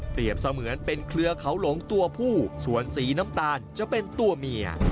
เสมือนเป็นเครือเขาหลงตัวผู้ส่วนสีน้ำตาลจะเป็นตัวเมีย